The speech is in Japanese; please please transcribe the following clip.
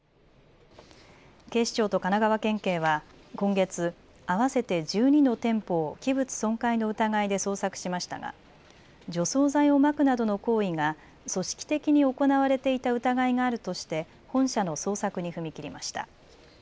警視庁と神奈川県警は今月、合わせて１２の店舗を器物損壊の疑いで捜索しましたが除草剤をまくなどの行為が組織的に行われていた疑いがあるとして本社の捜索に踏み切りました。